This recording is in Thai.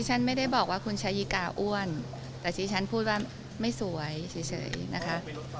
ฉันไม่ได้บอกว่าคุณชายิกาอ้วนแต่ที่ฉันพูดว่าไม่สวยเฉยนะคะ